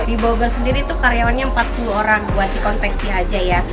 di bogor sendiri itu karyawannya empat puluh orang buat di konveksi aja ya